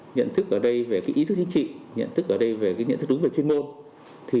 nhận thức ở đây về cái ý thức chính trị nhận thức ở đây về cái nhận thức đúng về chuyên môn thì